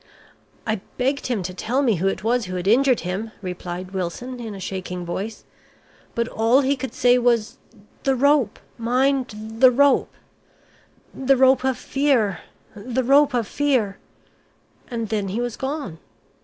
"I begged him to tell me who it was who had injured him," replied Wilson, in a shaking voice, "but all he could say was, 'The rope mind the Rope the Rope of Fear the Rope of Fear,' and then he was gone.